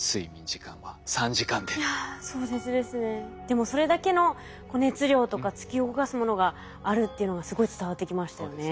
でもそれだけの熱量とか突き動かすものがあるっていうのがすごい伝わってきましたよね。